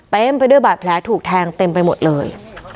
เต็มไปด้วยบาดแผลถูกแทงเต็มไปหมดเลย